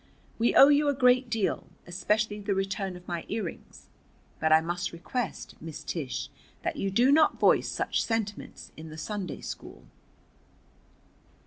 "We owe you a great deal, especially the return of my earrings. But I must request, Miss Tish, that you do not voice such sentiments in the Sunday school."